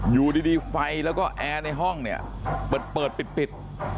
อยู่ดีไฟแล้วก็แอร์ในห้องเนี่ยเปิดปิด